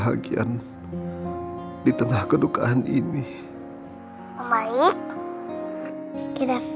hari inisu kyr murderer sebang